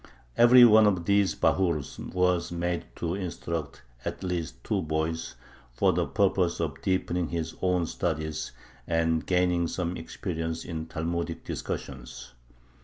Every one of these bahurs was made to instruct at least two boys, for the purpose of deepening his own studies and gaining some experience in Talmudic discussions.